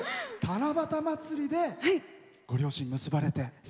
七夕まつりでご両親が結ばれて。